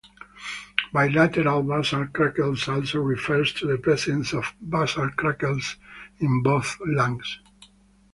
Bilateral basal crackles also refers to the presence of "basal" crackles in both lungs.